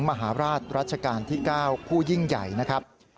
มหาราชรัชกาลที่๙ผู้ยิ่งใหญ่นะครับ